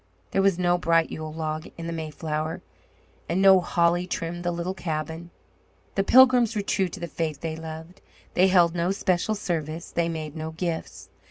There was no bright Yule log in the Mayflower, and no holly trimmed the little cabin. The Pilgrims were true to the faith they loved. They held no special service. They made no gifts.